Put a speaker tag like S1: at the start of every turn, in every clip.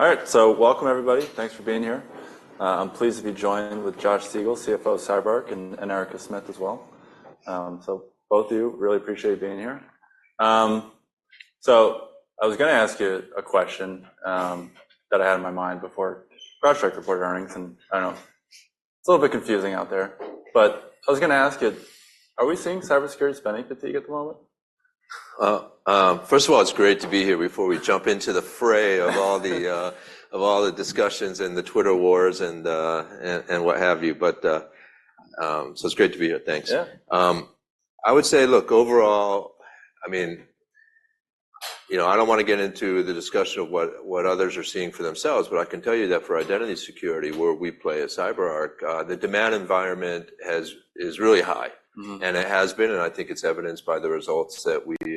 S1: All right, so welcome everybody. Thanks for being here. I'm pleased to be joined with Josh Siegel, CFO of CyberArk, and, and Erica Smith as well. So both of you, really appreciate being here. So I was gonna ask you a question that I had in my mind before Palo Alto reported earnings, and I don't know, it's a little bit confusing out there. But I was gonna ask you, are we seeing cybersecurity spending fatigue at the moment?
S2: Well, first of all, it's great to be here. Before we jump into the fray of all the discussions and the Twitter wars and what have you, so it's great to be here. Thanks.
S1: Yeah.
S2: I would say, look, overall, I mean, you know, I don't wanna get into the discussion of what, what others are seeing for themselves, but I can tell you that for identity security, where we play at CyberArk, the demand environment has is really high.
S1: Mm-hmm.
S2: It has been, and I think it's evidenced by the results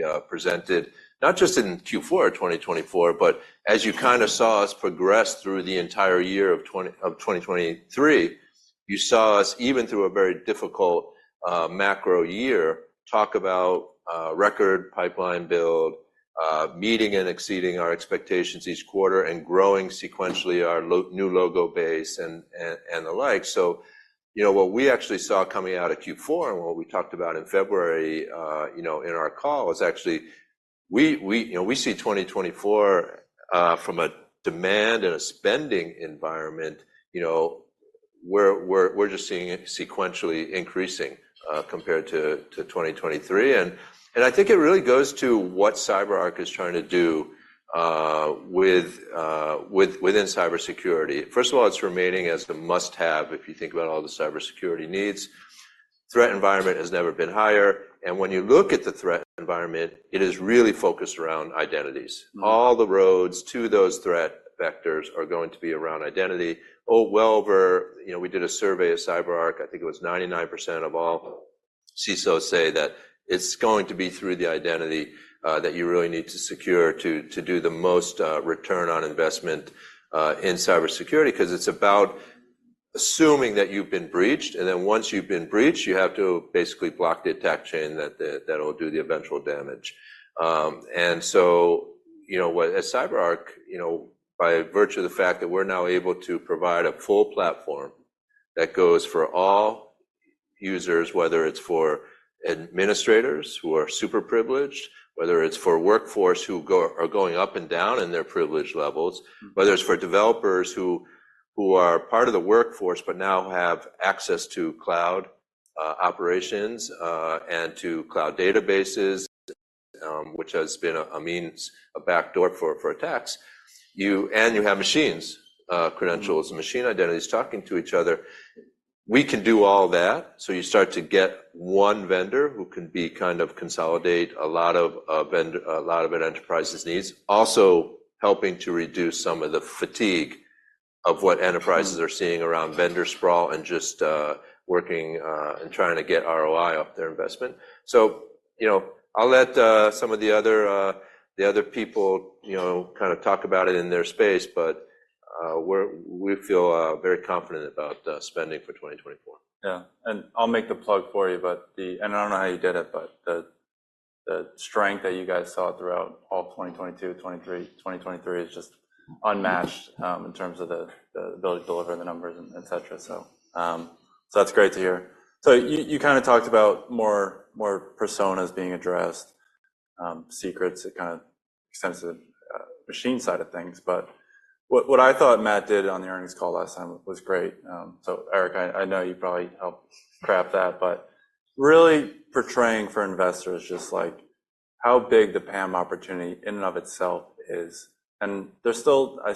S2: that we presented, not just in Q4 of 2024, but as you kinda saw us progress through the entire year of 2023. You saw us, even through a very difficult macro year, talk about record pipeline build, meeting and exceeding our expectations each quarter, and growing sequentially our new logo base, and the like. So, you know, what we actually saw coming out of Q4, and what we talked about in February, you know, in our call, is actually we, we, you know, we see 2024 from a demand and a spending environment, you know, we're, we're, we're just seeing it sequentially increasing, compared to 2023. And, and I think it really goes to what CyberArk is trying to do, with, with, within cybersecurity. First of all, it's remaining as the must-have if you think about all the cybersecurity needs. Threat environment has never been higher. When you look at the threat environment, it is really focused around identities.
S1: Mm-hmm.
S2: All the roads to those threat vectors are going to be around identity. Oh, well, you know, we did a survey at CyberArk. I think it was 99% of all CISOs say that it's going to be through the identity, that you really need to secure to do the most return on investment in cybersecurity 'cause it's about assuming that you've been breached. And then once you've been breached, you have to basically block the attack chain that that'll do the eventual damage. So, you know, what at CyberArk, you know, by virtue of the fact that we're now able to provide a full platform that goes for all users, whether it's for administrators who are super privileged, whether it's for workforce who are going up and down in their privilege levels, whether it's for developers who are part of the workforce but now have access to cloud operations, and to cloud databases, which has been a means, a backdoor for attacks, and you have machines, credentials, machine identities talking to each other. We can do all that. So you start to get one vendor who can kind of consolidate a lot of an enterprise's needs, also helping to reduce some of the fatigue of what enterprises are seeing around vendor sprawl and just working and trying to get ROI off their investment. So, you know, I'll let some of the other people, you know, kinda talk about it in their space. But we feel very confident about spending for 2024.
S1: Yeah. And I'll make the plug for you, but I don't know how you did it, but the strength that you guys saw throughout all 2022, 2023, 2023 is just unmatched, in terms of the ability to deliver the numbers, and, etc. So that's great to hear. So you kinda talked about more personas being addressed. Secrets. It kinda extends to the machine side of things. But what I thought Matt did on the earnings call last time was great. So Erica, I know you probably helped craft that. But really portraying for investors just, like, how big the PAM opportunity in and of itself is. And there's still, I'd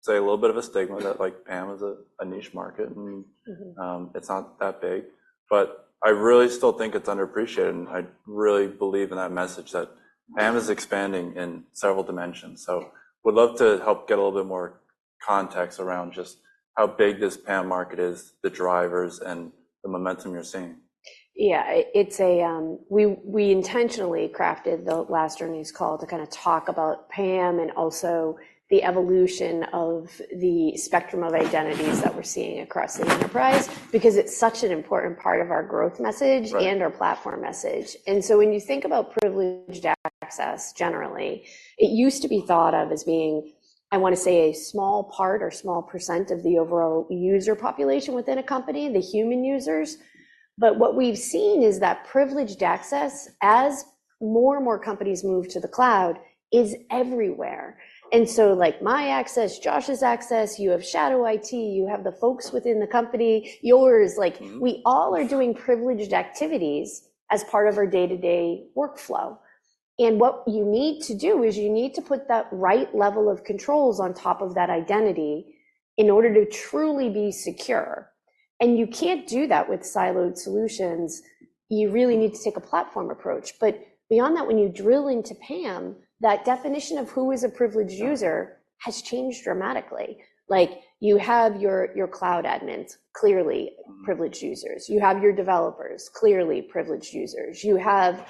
S1: say, a little bit of a stigma that, like, PAM is a niche market, and.
S2: Mm-hmm.
S1: It's not that big. But I really still think it's underappreciated. And I really believe in that message that PAM is expanding in several dimensions. So would love to help get a little bit more context around just how big this PAM market is, the drivers, and the momentum you're seeing.
S3: Yeah. It's, we intentionally crafted the last earnings call to kinda talk about PAM and also the evolution of the spectrum of identities that we're seeing across the enterprise because it's such an important part of our growth message.
S1: Right.
S3: Our platform message. So when you think about privileged access, generally, it used to be thought of as being, I wanna say, a small part or small percent of the overall user population within a company, the human users. But what we've seen is that privileged access, as more and more companies move to the cloud, is everywhere. Like, my access, Josh's access, you have Shadow IT, you have the folks within the company, yours. Like.
S1: Mm-hmm.
S3: We all are doing privileged activities as part of our day-to-day workflow. And what you need to do is you need to put that right level of controls on top of that identity in order to truly be secure. And you can't do that with siloed solutions. You really need to take a platform approach. But beyond that, when you drill into PAM, that definition of who is a privileged user has changed dramatically. Like, you have your, your cloud admins, clearly privileged users. You have your developers, clearly privileged users. You have,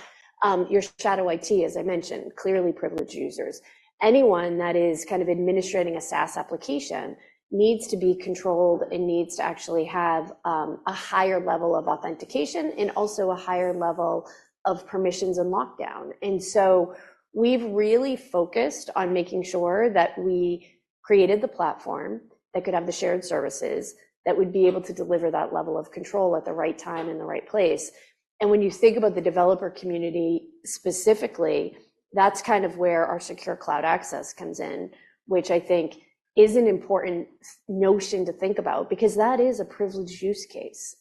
S3: your Shadow IT, as I mentioned, clearly privileged users. Anyone that is kind of administrating a SaaS application needs to be controlled and needs to actually have, a higher level of authentication and also a higher level of permissions and lockdown. And so we've really focused on making sure that we created the platform that could have the shared services that would be able to deliver that level of control at the right time and the right place. And when you think about the developer community specifically, that's kind of where our Secure Cloud Access comes in, which I think is an important notion to think about because that is a privileged use case.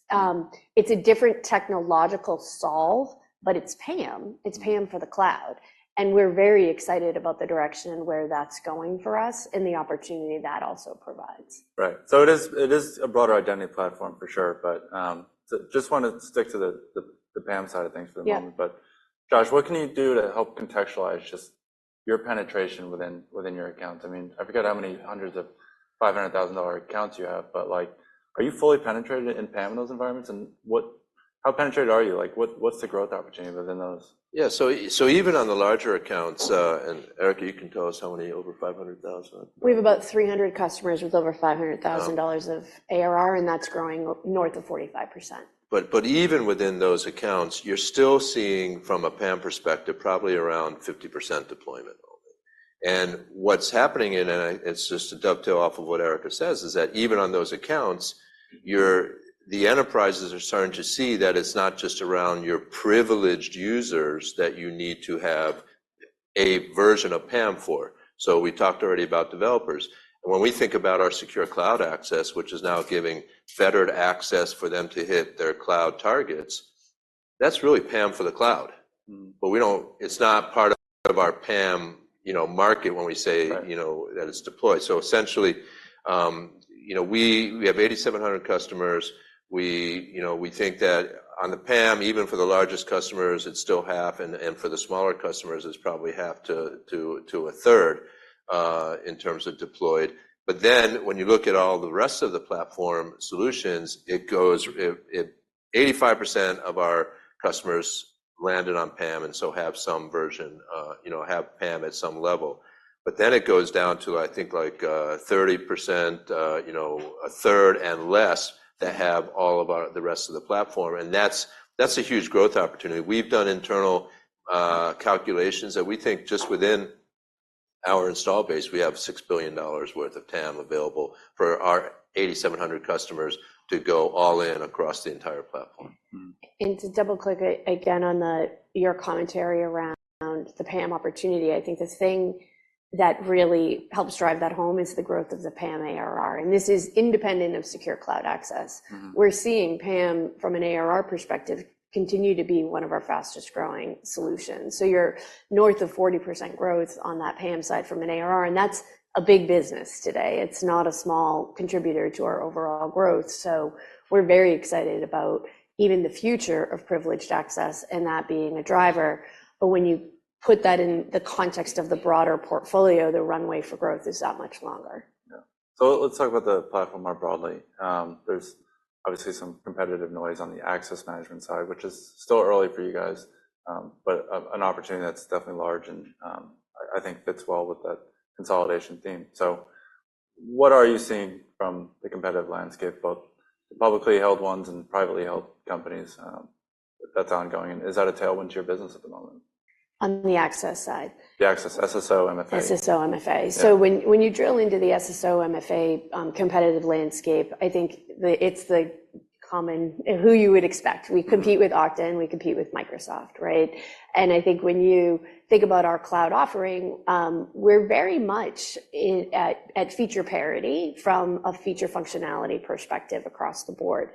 S3: It's a different technological solve, but it's PAM. It's PAM for the cloud. And we're very excited about the direction where that's going for us and the opportunity that also provides.
S1: Right. So it is a broader identity platform for sure. But so just wanna stick to the PAM side of things for the moment.
S2: Yeah.
S1: But, Josh, what can you do to help contextualize just your penetration within your accounts? I mean, I forget how many hundreds of $500,000 accounts you have. But, like, are you fully penetrated in PAM in those environments? And what, how penetrated are you? Like, what, what's the growth opportunity within those?
S2: Yeah. So even on the larger accounts, and Erica, you can tell us how many, over 500,000?
S3: We have about 300 customers with over $500,000 of ARR.
S1: Oh.
S3: That's growing north of 45%.
S2: But even within those accounts, you're still seeing, from a PAM perspective, probably around 50% deployment only. And what's happening, and it's just a dovetail off of what Erica says, is that even on those accounts, you, the enterprises are starting to see that it's not just around your privileged users that you need to have a version of PAM for. So we talked already about developers. And when we think about our Secure Cloud Access, which is now giving better access for them to hit their cloud targets, that's really PAM for the cloud.
S1: Mm-hmm.
S2: But we don't. It's not part of our PAM, you know, market when we say.
S1: Right.
S2: You know, that it's deployed. So essentially, you know, we have 8,700 customers. We, you know, think that on the PAM, even for the largest customers, it's still half. And for the smaller customers, it's probably half to a third, in terms of deployed. But then when you look at all the rest of the platform solutions, it goes, it's 85% of our customers landed on PAM and so have some version, you know, have PAM at some level. But then it goes down to, I think, like 30%, you know, a third and less that have all of the rest of the platform. And that's a huge growth opportunity. We've done internal calculations that we think just within our installed base, we have $6 billion worth of TAM available for our 8,700 customers to go all in across the entire platform.
S1: Mm-hmm.
S3: To double-click again on your commentary around the PAM opportunity, I think the thing that really helps drive that home is the growth of the PAM ARR. This is independent of Secure Cloud Access.
S1: Mm-hmm.
S3: We're seeing PAM, from an ARR perspective, continue to be one of our fastest-growing solutions. So you're north of 40% growth on that PAM side from an ARR. And that's a big business today. It's not a small contributor to our overall growth. So we're very excited about even the future of privileged access and that being a driver. But when you put that in the context of the broader portfolio, the runway for growth is that much longer.
S1: Yeah. So let's talk about the platform more broadly. There's obviously some competitive noise on the access management side, which is still early for you guys, but an opportunity that's definitely large and, I think fits well with that consolidation theme. So what are you seeing from the competitive landscape, both publicly held ones and privately held companies, that's ongoing? And is that a tailwind to your business at the moment?
S3: On the access side?
S1: The access. SSO, MFA.
S3: SSO, MFA.
S1: Yeah.
S3: So when you drill into the SSO, MFA, competitive landscape, I think it's the common ones you would expect. We compete with Okta. And we compete with Microsoft, right? And I think when you think about our cloud offering, we're very much in at feature parity from a feature functionality perspective across the board.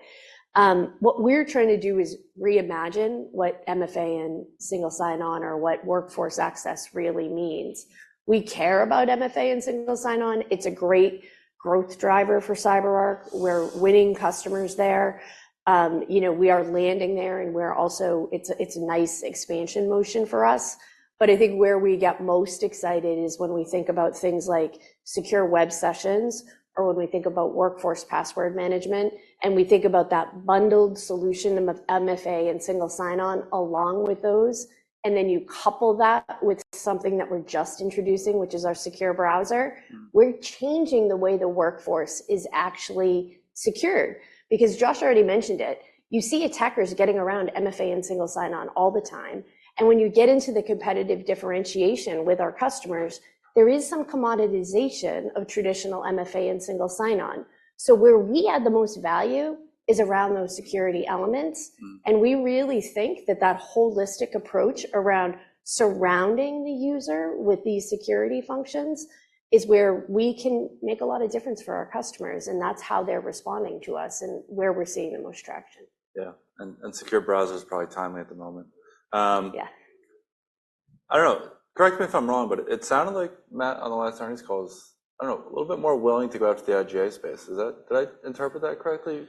S3: What we're trying to do is reimagine what MFA and single sign-on or what workforce access really means. We care about MFA and single sign-on. It's a great growth driver for CyberArk. We're winning customers there. You know, we are landing there. And we're also it's a nice expansion motion for us. But I think where we get most excited is when we think about things like Secure Web Sessions or when we think about Workforce Password Management. And we think about that bundled solution of MFA and single sign-on along with those. And then you couple that with something that we're just introducing, which is our Secure Browser.
S1: Mm-hmm.
S3: We're changing the way the workforce is actually secured because Josh already mentioned it. You see attackers getting around MFA and single sign-on all the time. And when you get into the competitive differentiation with our customers, there is some commoditization of traditional MFA and single sign-on. So where we add the most value is around those security elements.
S1: Mm-hmm.
S3: We really think that that holistic approach around surrounding the user with these security functions is where we can make a lot of difference for our customers. That's how they're responding to us and where we're seeing the most traction.
S1: Yeah. And Secure Browser is probably timely at the moment.
S3: Yeah.
S1: I don't know. Correct me if I'm wrong, but it sounded like Matt, on the last earnings calls, I don't know, a little bit more willing to go out to the IGA space. Is that? Did I interpret that correctly?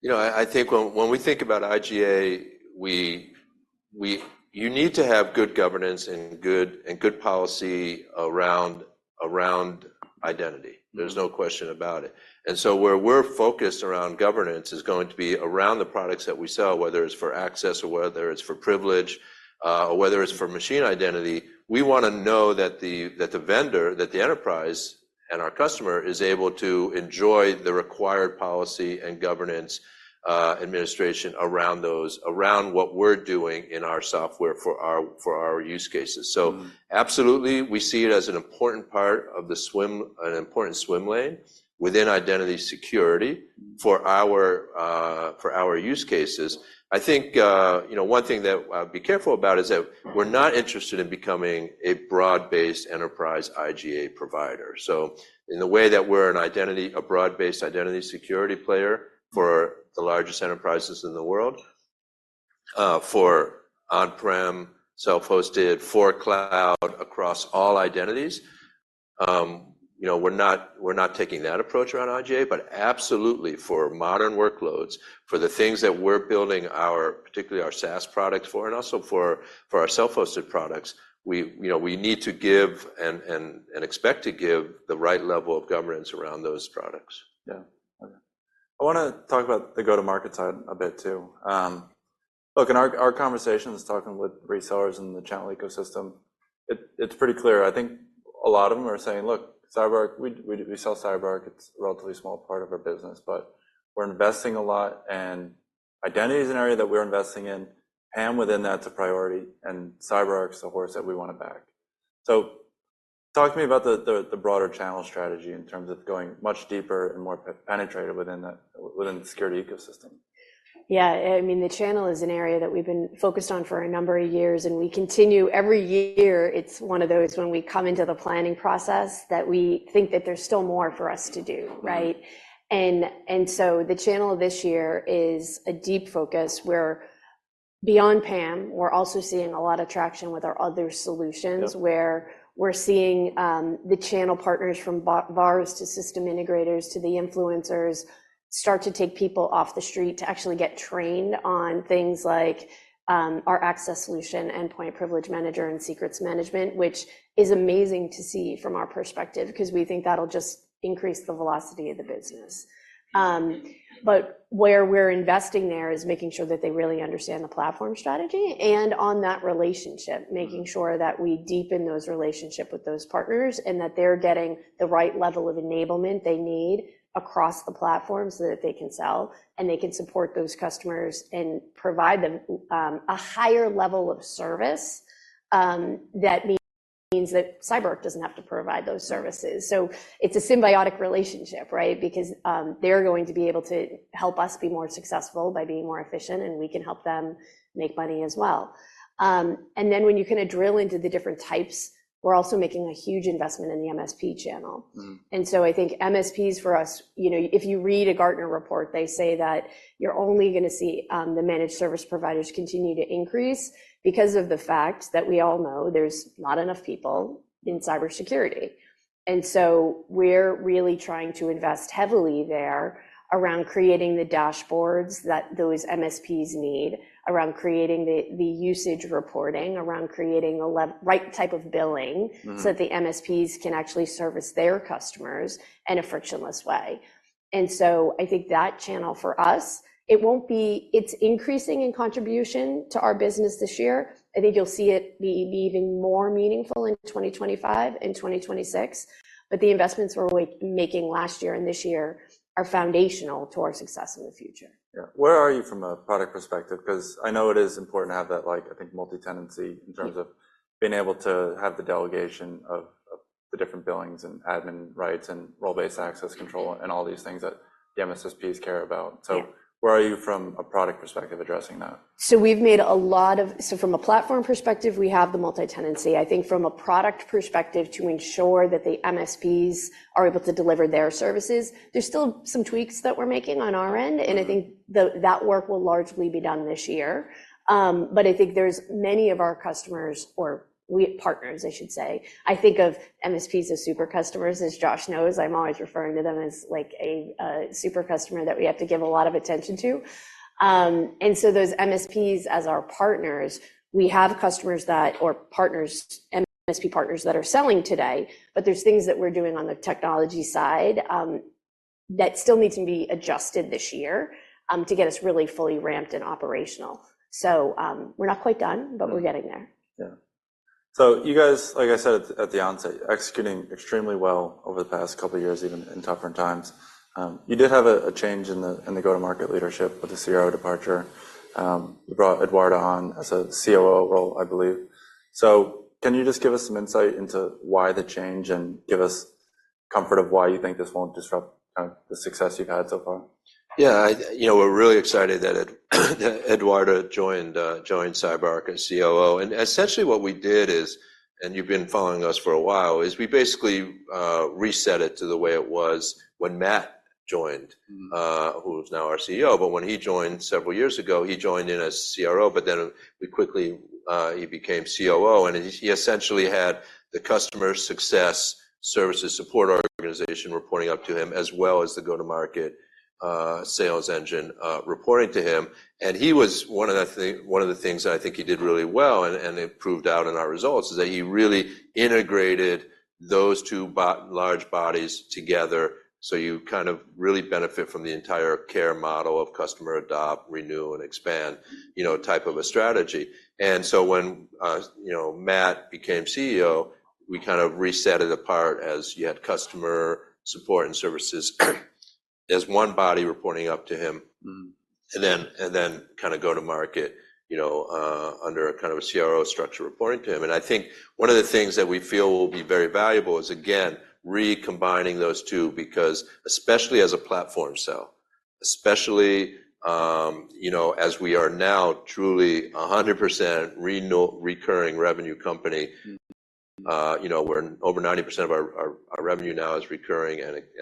S2: You know, I think when we think about IGA, you need to have good governance and good policy around identity.
S1: Mm-hmm.
S2: There's no question about it. And so where we're focused around governance is going to be around the products that we sell, whether it's for access or whether it's for privilege, or whether it's for machine identity. We wanna know that the vendor that the enterprise and our customer is able to enjoy the required policy and governance, administration around those what we're doing in our software for our use cases. So.
S1: Mm-hmm.
S2: Absolutely. We see it as an important part of the swim lane, an important swim lane within identity security.
S1: Mm-hmm.
S2: For our use cases. I think, you know, one thing that be careful about is that we're not interested in becoming a broad-based enterprise IGA provider. So in the way that we're an identity, a broad-based identity security player for the largest enterprises in the world, for on-prem, self-hosted, for cloud, across all identities, you know, we're not taking that approach around IGA. But absolutely, for modern workloads, for the things that we're building, particularly our SaaS products for and also for our self-hosted products, we, you know, we need to give and expect to give the right level of governance around those products.
S1: Yeah. Okay. I wanna talk about the go-to-market side a bit too. Look, in our conversations talking with resellers in the channel ecosystem, it's pretty clear. I think a lot of them are saying, "Look, CyberArk, we sell CyberArk. It's a relatively small part of our business. But we're investing a lot. And identity is an area that we're investing in. PAM within that's a priority. And CyberArk's the horse that we wanna back." So talk to me about the broader channel strategy in terms of going much deeper and more penetrated within that within the security ecosystem.
S3: Yeah. I mean, the channel is an area that we've been focused on for a number of years. We continue every year, it's one of those when we come into the planning process that we think that there's still more for us to do, right?
S1: Mm-hmm.
S3: And so the channel this year is a deep focus where beyond PAM, we're also seeing a lot of traction with our other solutions.
S1: Yeah.
S3: Where we're seeing the channel partners from VARs to system integrators to the influencers start to take people off the street to actually get trained on things like our access solution, Endpoint Privilege Manager, and Secrets Management, which is amazing to see from our perspective 'cause we think that'll just increase the velocity of the business. Where we're investing there is making sure that they really understand the platform strategy and on that relationship, making sure that we deepen those relationships with those partners and that they're getting the right level of enablement they need across the platform so that they can sell and they can support those customers and provide them a higher level of service, that means that CyberArk doesn't have to provide those services. So it's a symbiotic relationship, right, because they're going to be able to help us be more successful by being more efficient. We can help them make money as well. Then when you kinda drill into the different types, we're also making a huge investment in the MSP channel.
S1: Mm-hmm.
S3: So I think MSPs for us, you know, if you read a Gartner report, they say that you're only gonna see the managed service providers continue to increase because of the fact that we all know there's not enough people in cybersecurity. So we're really trying to invest heavily there around creating the dashboards that those MSPs need, around creating the usage reporting, around creating the right type of billing.
S1: Mm-hmm.
S3: So that the MSPs can actually service their customers in a frictionless way. And so I think that channel for us, it's increasing in contribution to our business this year. I think you'll see it be even more meaningful in 2025 and 2026. But the investments we're making last year and this year are foundational to our success in the future.
S1: Yeah. Where are you from a product perspective? 'Cause I know it is important to have that, like, I think, multi-tenancy in terms of.
S3: Yeah.
S1: Being able to have the delegation of the different billings and admin rights and role-based access control and all these things that the MSSPs care about. So.
S3: Yeah.
S1: Where are you from a product perspective addressing that?
S3: So we've made a lot, so from a platform perspective, we have the multi-tenancy. I think from a product perspective, to ensure that the MSPs are able to deliver their services, there's still some tweaks that we're making on our end. And I think that work will largely be done this year. But I think there's many of our customers or our partners, I should say. I think of MSPs as super customers, as Josh knows. I'm always referring to them as, like, a, a super customer that we have to give a lot of attention to. And so those MSPs as our partners, we have customers that or partners, MSP partners that are selling today. But there's things that we're doing on the technology side, that still need to be adjusted this year, to get us really fully ramped and operational. We're not quite done, but we're getting there.
S1: Yeah. So you guys, like I said at the onset, executing extremely well over the past couple of years, even in tougher times. You did have a change in the go-to-market leadership with the CRO departure. You brought Eduarda on as a COO role, I believe. So can you just give us some insight into why the change and give us comfort of why you think this won't disrupt kind of the success you've had so far?
S2: Yeah. You know, we're really excited that Eduarda joined CyberArk as COO. And essentially, what we did is, and you've been following us for a while, is we basically reset it to the way it was when Matt joined.
S1: Mm-hmm.
S2: who is now our CEO. But when he joined several years ago, he joined in as CRO. But then we quickly, he became COO. And he essentially had the customer success, services, support organization reporting up to him as well as the go-to-market, sales engine, reporting to him. And he was one of the things that I think he did really well and it proved out in our results is that he really integrated those two big large bodies together. So you kind of really benefit from the entire care model of customer adopt, renew, and expand, you know, type of a strategy. And so when, you know, Matt became CEO, we kind of set it apart as you had customer support and services as one body reporting up to him.
S1: Mm-hmm.
S2: And then kinda go-to-market, you know, under a kind of a CRO structure reporting to him. And I think one of the things that we feel will be very valuable is, again, recombining those two because especially as a platform sell, especially, you know, as we are now truly 100% renew recurring revenue company.
S1: Mm-hmm.
S2: You know, we're over 90% of our revenue now is recurring.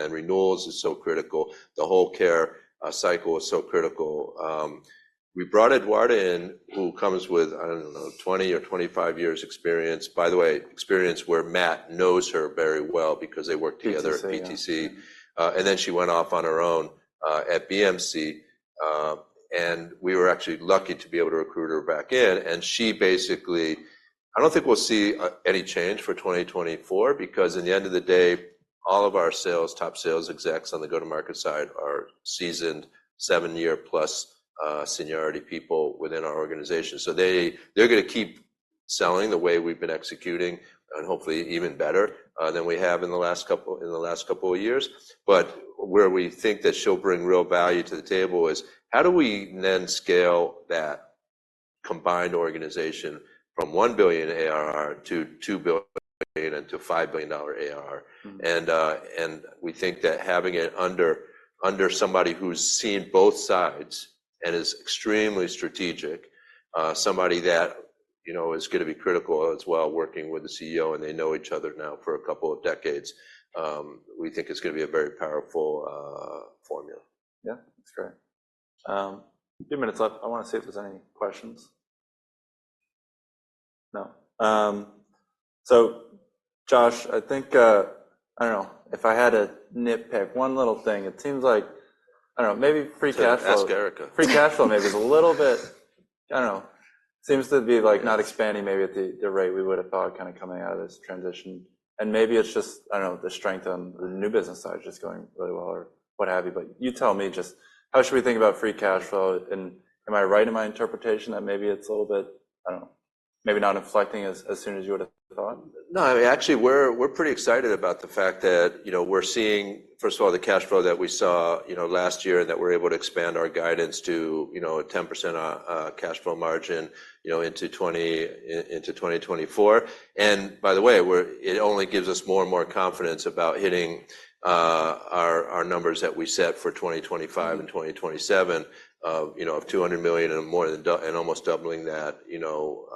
S2: Renewals is so critical. The whole care cycle is so critical. We brought Eduarda in, who comes with, I don't know, 20 or 25 years' experience by the way, experience where Matt knows her very well because they worked together.
S1: PTC.
S2: PTC, and then she went off on her own at BMC, and we were actually lucky to be able to recruit her back in. And she basically, I don't think we'll see any change for 2024 because in the end of the day, all of our sales, top sales execs on the go-to-market side are seasoned 7-year-plus seniority people within our organization. So they, they're gonna keep selling the way we've been executing and hopefully even better than we have in the last couple in the last couple of years. But where we think that she'll bring real value to the table is how do we then scale that combined organization from $1 billion ARR to $2 billion and to $5 billion ARR.
S1: Mm-hmm.
S2: We think that having it under somebody who's seen both sides and is extremely strategic, somebody that, you know, is gonna be critical as well working with the CEO and they know each other now for a couple of decades, we think is gonna be a very powerful formula.
S1: Yeah. That's great. A few minutes left. I wanna see if there's any questions. No? So, Josh, I think, I don't know. If I had to nitpick one little thing, it seems like I don't know. Maybe free cash flow.
S2: Yeah. Ask Erica.
S1: Free cash flow maybe is a little bit, I don't know. Seems to be, like, not expanding maybe at the rate we would have thought kinda coming out of this transition. And maybe it's just, I don't know, the strength on the new business side is just going really well or what have you. But you tell me just how should we think about free cash flow? And am I right in my interpretation that maybe it's a little bit, I don't know. Maybe not inflecting as soon as you would have thought?
S2: No. I mean, actually, we're pretty excited about the fact that, you know, we're seeing, first of all, the cash flow that we saw, you know, last year and that we're able to expand our guidance to, you know, a 10% cash flow margin, you know, into 2024. And by the way, it only gives us more and more confidence about hitting our numbers that we set for 2025 and 2027 of, you know, $200 million and more than double and almost doubling that, you know,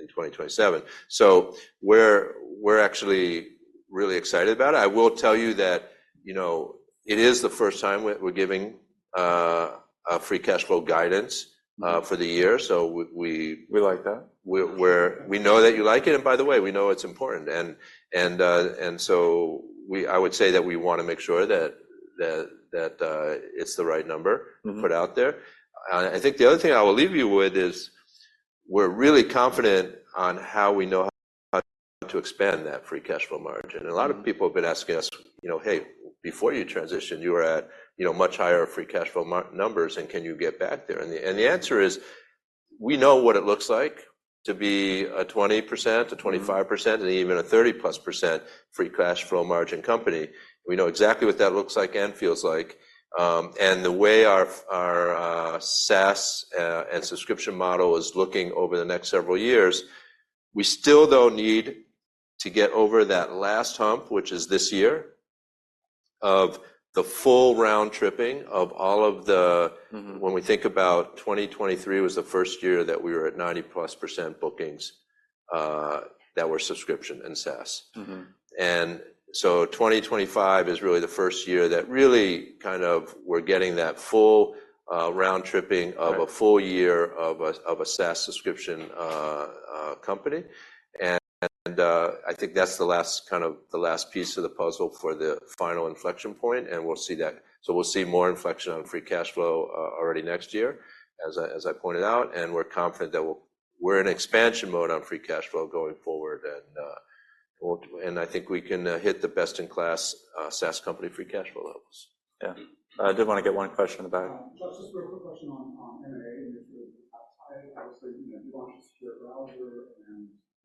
S2: in 2027. So we're actually really excited about it. I will tell you that, you know, it is the first time we're giving free cash flow guidance.
S1: Mm-hmm.
S2: for the year. So we.
S1: We like that.
S2: We know that you like it. And by the way, we know it's important. And so, I would say that we wanna make sure that it's the right number.
S1: Mm-hmm.
S2: Put out there. I think the other thing I will leave you with is we're really confident on how we know how to expand that free cash flow margin. And a lot of people have been asking us, you know, "Hey, before you transitioned, you were at, you know, much higher free cash flow margin numbers. And can you get back there?" And the answer is, we know what it looks like to be a 20%, a 25%, and even a 30+% free cash flow margin company. We know exactly what that looks like and feels like. The way our SaaS and subscription model is looking over the next several years, we still, though, need to get over that last hump, which is this year, of the full round-tripping of all of the.
S1: Mm-hmm.
S2: When we think about 2023 was the first year that we were at 90%+ bookings that were subscription and SaaS.
S1: Mm-hmm.
S2: And so, 2025 is really the first year that really kind of we're getting that full, round-tripping of a full year of a of a SaaS subscription company. And I think that's the last kind of the last piece of the puzzle for the final inflection point. And we'll see that so we'll see more inflection on free cash flow already next year as I as I pointed out. And we're confident that we'll we're in expansion mode on free cash flow going forward. And we'll and I think we can hit the best-in-class SaaS company free cash flow levels.
S1: Yeah. I did wanna get one question in the back.
S4: Josh, just a real quick question on M&A. It's really out of spite. Obviously, you know, you launched a Secure Browser.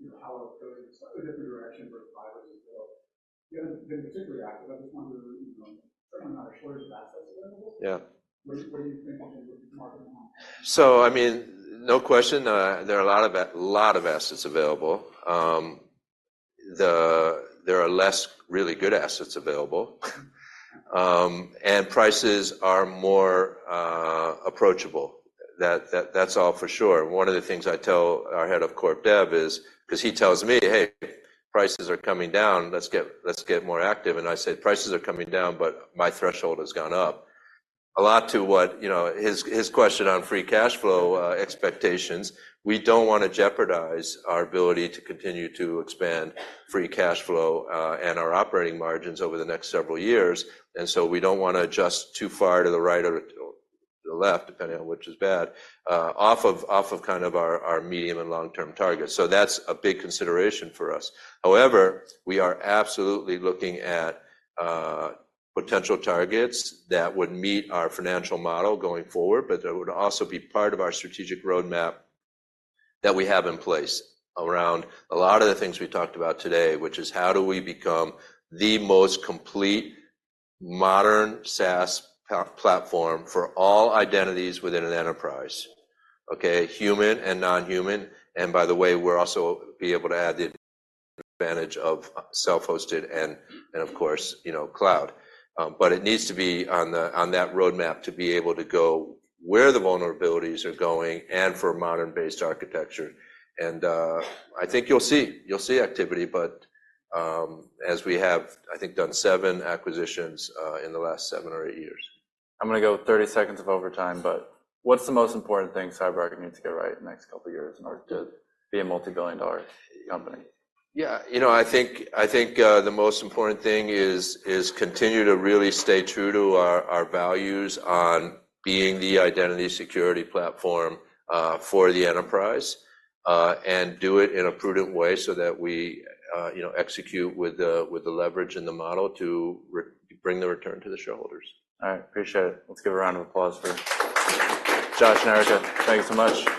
S4: You know, how our approach is a slightly different direction where CyberArk is built. You haven't been particularly active. I just wonder, you know, certainly not a shortage of assets available.
S2: Yeah.
S4: What do you think you can market more on?
S2: So, I mean, no question. There are a lot of assets available. There are fewer really good assets available, and prices are more approachable. That's all for sure. One of the things I tell our head of CorpDev is 'cause he tells me, "Hey, prices are coming down. Let's get more active." And I say, "Prices are coming down, but my threshold has gone up." A lot to what, you know, his question on free cash flow expectations. We don't wanna jeopardize our ability to continue to expand free cash flow and our operating margins over the next several years. And so we don't wanna adjust too far to the right or to the left, depending on which is bad, off of kind of our medium- and long-term targets. So that's a big consideration for us. However, we are absolutely looking at potential targets that would meet our financial model going forward but that would also be part of our strategic roadmap that we have in place around a lot of the things we talked about today, which is how do we become the most complete modern SaaS platform for all identities within an enterprise, okay, human and non-human. And by the way, we're also be able to add the advantage of self-hosted and, of course, you know, cloud. But it needs to be on that roadmap to be able to go where the vulnerabilities are going and for modern-based architecture. And, I think you'll see. You'll see activity. But, as we have, I think, done seven acquisitions in the last seven or eight years.
S1: I'm gonna go 30 seconds of overtime. But what's the most important thing CyberArk needs to get right in the next couple of years in order to be a multi-billion-dollar company?
S2: Yeah. You know, I think the most important thing is continue to really stay true to our values on being the identity security platform for the enterprise, and do it in a prudent way so that we, you know, execute with the leverage in the model to bring the return to the shareholders.
S1: All right. Appreciate it. Let's give a round of applause for Josh and Erica. Thank you so much.